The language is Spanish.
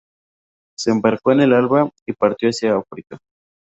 Se embarcó en el Elba y partió hacia África.